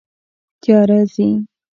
تیاره ځي